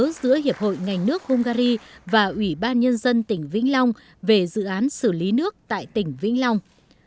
bảy bản ghi nhớ giữa hiệp hội ngành nước hungary và ủy ban nhân dân tỉnh vĩnh long về dự án xử lý nước tại tỉnh vĩnh long